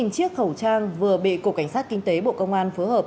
sáu chiếc khẩu trang vừa bị cục cảnh sát kinh tế bộ công an phối hợp